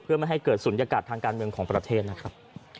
เพื่อไม่ให้เกิดศูนยากาศทางการเมืองของประเทศนะครับ